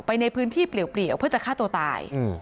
ไปในพื้นที่เปลี่ยวเพื่อจะฆ่าตัวตาย